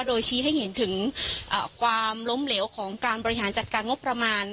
โดยชี้ให้เห็นถึงความล้มเหลวของการบริหารจัดการงบประมาณ